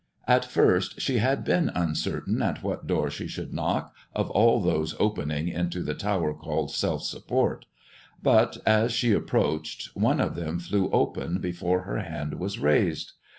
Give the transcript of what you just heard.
At first she had been uncertain at what door she should knock of all those opening into the tower named Self Support, but, as she approached, one of them flew open before her hand was raised.